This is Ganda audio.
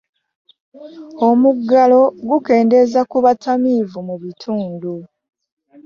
omugalo gukendeza ku bbatamive mu bitundu